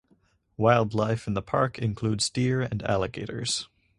Wildlife in the park includes deer and alligators.